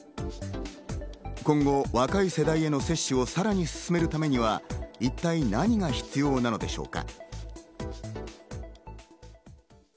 今後、若い世代への接種をさらに進めるためには一体何が必要なのでしょうか。